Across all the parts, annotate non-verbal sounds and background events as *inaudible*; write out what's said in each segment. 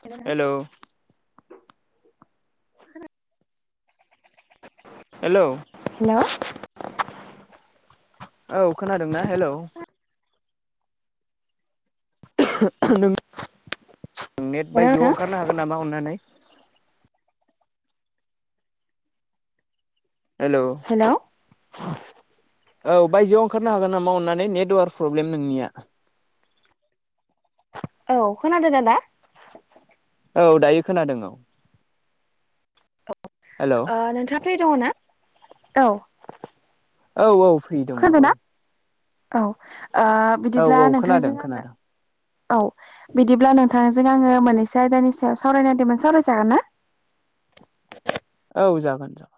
हेल' hello नोंथां hello हेल' औ खोनादोंना हेलौ नों नेट हेलौ बायजोआव नोंथां ओंखारनो हागोन नामा अननानै हेल' औ औ बायजोआव ओंखारनो हागोन नामा अननानै नेटवार्क प्रब्लेम नोंनिया औ खोनादोंना दा औ दायो खोनादों औ औ हेलौ ओ नोंथाङां फ्रि दङ ना औ औ औ फ्रि दङ औ खोनादोंना औ ओ औ बिदिब्ला औ खोनादों नोंथांजों आङो खोनादों औ बिदिब्ला नोंथांजों आङो मोननैसो आयदानि सायाव सावरायनो होनदोंमोन सावरायजागोन ना *inaudible* औ जागोन जागोन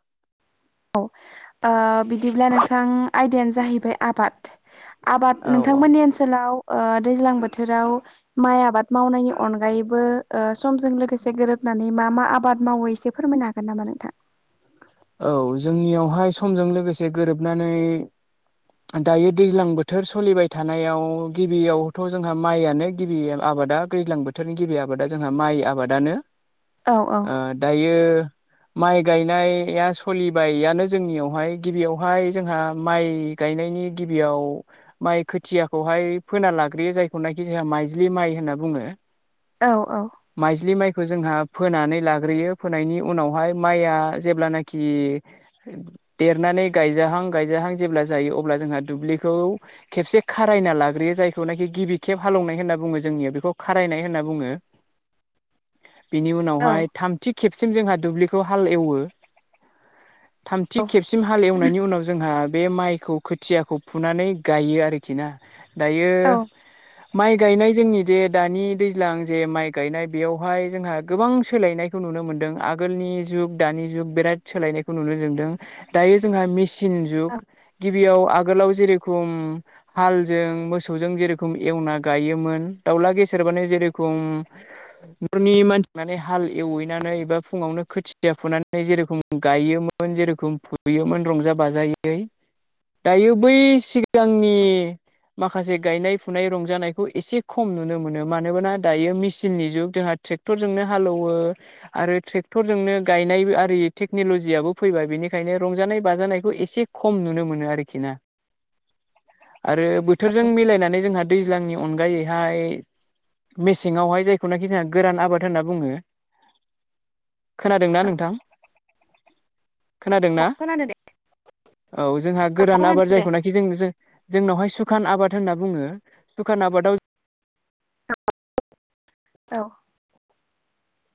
औ ओ बिदिब्ला नोंथां आयदायानो जाहैबाय आबाद आबाद औ औ नोंथांमोननि ओनसोलाव ओ दैज्लां बोथोराव माइ आबाद मावनायनि अनगायैबो ओ समजों लोगोसे गोरोब होनानै मा मा आबाद मावो एसे फोरमायनो हागोन नामा नोंथां औ जोंनियावहाय समजों लोगोसे गोरोबनानै दायो दैज्लां बोथोर सोलिबाय थानायाव गिबियावथ' जोंहा माइयानो गिबि आबाद आबादा दैज्लां बोथोरनि गिबि आबादा जोंहा माइ आबादानो औ औ ओ दायो माइ गायनाया सोलिबायानो जोंनियावहाय गिबियावहाय जोंहा माइ गायनायनि गि गिबियाव माइ खोथियाखौहाय फोना लाग्रोयो जायखौनाखि जोंहा माइज्लि माइ होनना बुंङो औ औ खौ जोंहा फोनानै लाग्रोयो फोनायनि उनावहाय माइआ जेब्लानाखि देरनानै गायजाहां गायजाहां जेब्ला जायो अब्ला जोंहा दुब्लिखौ खेबसे खारायना लाग्रोयो जायखौनाखि गिबि खेब हाल एवनाय होनना बुंङो जोंनियाव बेखौ खारायनाय होनना बुंङो *inaudible* बिनि उनावहाय थामथि खेबसिम जोंहा दुब्लिखौ हाल एवो थामथि खेबसिम हालेवनायनि उनाव जोंहा बे माइखौ खोथियाखौ फुनानै गायो आरोखि ना दायो औ औ माइ गायनाय जोंनि जे दानि दैज्लां जे माइ गायनाय बेयावहाय जोंहा गोबां सोलायनायखौ नुनो नुनो मोनदों आगोलनि जुग दानि जुग बेराद सोलायनायखौ नुनो मोनदों दायो जोंहा मि सिन जुग गिबियाव आ आगोलाव जेरेखम हालजों मोसौजों जेरेखम एवना गायोमोन दाउला गेेसेर माने जे रखम नख'रनि मानसि माने हाल एवहैनानै एबा फुंआवनो खोथिया खुथिया फुनानै जेरोखोम गायोमोन जेरोखम फुयोमोन रंजा बाजायै दायो बै सिगांनि माखासे गायनाय फुनाय रंजानायखौ एसे खम नुनो मोनो मानोना दायो मिसिननि जुग ट्रेक्टरजोंनो हालौवो आरो ट्रेक्टरजोंनो गायनाय आरि टेक्न'ल'जियाबो फैबाय बेनिखायनो रंजानाय बाजानायखौ एसे खम नुनो मोनो आरोखि ना आ *inaudible* आरो बोथोरजों मिलायनानै जोंहा दैज्लांनि अनगायैहाय मेसेंआवहाय जायखौनाखि जोंहा गोरान आबाद होनना बुंङो *inaudible* खोनादों ना नोंथां? खोनादोंना? औ खोनादों औ जोंहा गोरान आबाद खोनादो दे जायखौनाखि जों जों जोंनावहाय सुखान आबाद होनना बुंङो सुखान आबादाव औ